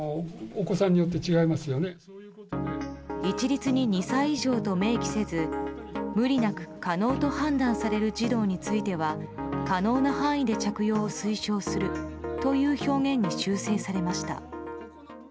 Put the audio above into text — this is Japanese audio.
一律に２歳以上と明記せず無理なく可能と判断される児童については、可能な範囲で着用を推奨するという表現に修正されました。